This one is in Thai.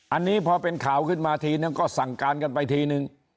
อันนี้พอเป็นข่าวขึ้นมาทีนึงก็สั่งการกันไปทีนึง